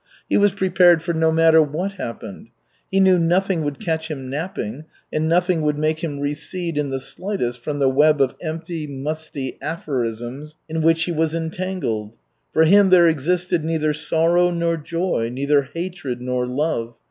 He was prepared for no matter what happened. He knew nothing would catch him napping and nothing would make him recede in the slightest from the web of empty, musty aphorisms in which he was entangled. For him there existed neither sorrow nor joy, neither hatred, nor love.